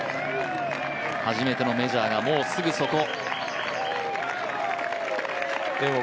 初めてのメジャーがもうすぐそこ。